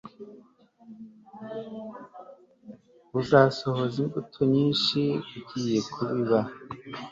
uzasohora imbuto nyinshi ugiye kubiba